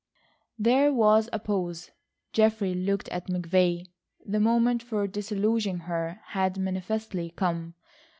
There was a pause. Geoffrey looked at McVay. The moment for disillusioning her had manifestly come.